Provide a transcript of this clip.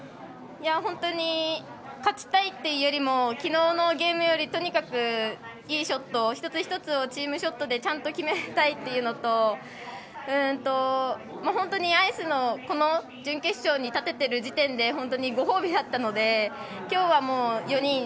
本当に勝ちたいっていうよりもきのうのゲームよりとにかくいいショット一つ一つをチームショットでちゃんと決めたいっていうのと本当にアイスのこの準決勝に立ててる時点で本当に、ご褒美だったのできょうは４人